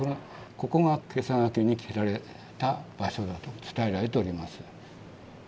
ここがけさ懸けに切られた場所だと伝えられております。